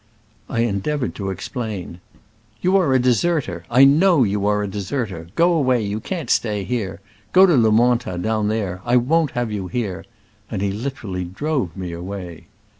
I endeavored to explain. THE BLANKET BAG. *' You are a deserter — I know you are a deserter : go away, you can't stay here : go to Le Monta, down there — I won't have you here ;" and he literally drove me away.